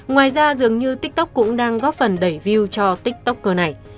ngoài ra dường như tiktok cũng đang góp phần đẩy view cho tiktoker này